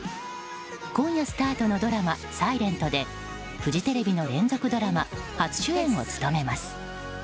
今夜スタートのドラマ「ｓｉｌｅｎｔ」でフジテレビの連続ドラマ初主演を務めます。